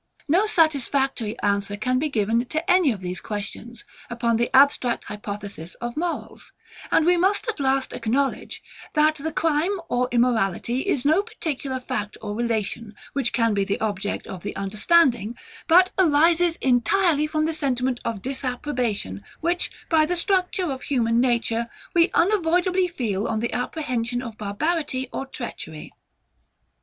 No satisfactory answer can be given to any of these questions, upon the abstract hypothesis of morals; and we must at last acknowledge, that the crime or immorality is no particular fact or relation, which can be the object of the understanding, but arises entirely from the sentiment of disapprobation, which, by the structure of human nature, we unavoidably feel on the apprehension of barbarity or treachery.